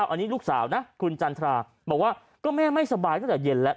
อันนี้ลูกสาวนะคุณจันทราบอกว่าก็แม่ไม่สบายตั้งแต่เย็นแล้ว